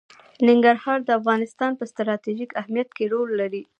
ننګرهار د افغانستان په ستراتیژیک اهمیت کې رول لري.